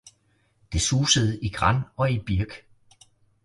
det susede i gran og i birk.